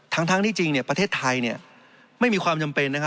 ทั้งที่จริงประเทศไทยไม่มีความจำเป็น